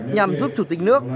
nhằm giúp chủ tịch nước